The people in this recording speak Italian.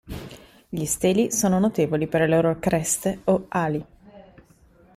Gli steli sono notevoli per le loro creste o "ali".